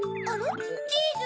チーズ？